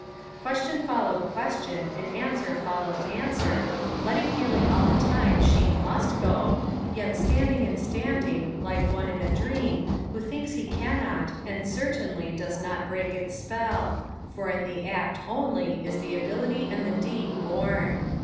Question followed question, and answer followed answer, Letty feeling all the time she must go, yet standing and standing, like one in a dream, who thinks he can not, and certainly does not break its spell for in the act only is the ability and the deed born.